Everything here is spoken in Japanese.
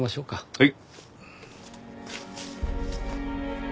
はい。